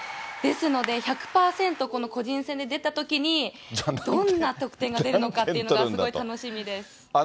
ですので、１００％、この個人戦で出たときに、どんな得点が出るのかっていうのがすごい楽しみです。